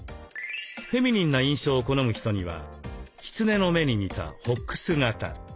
フェミニンな印象を好む人にはキツネの目に似たフォックス型。